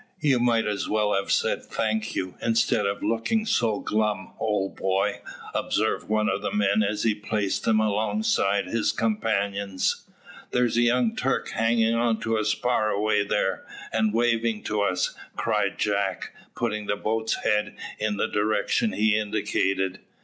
"You might as well have said thank you, instead of looking so glum, old boy," observed one of the men as he placed him alongside his companions. "There's a young Turk hanging on to a spar away there, and waving to us," cried Jack, putting the boat's head in the direction he indicated.